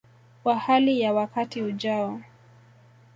wa hali ya wakati ujao